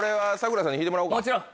もちろん。